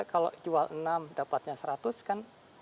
kalau jual enam dapatnya seratus kan